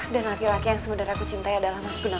dan laki laki yang sebenarnya aku cintai adalah mas benawan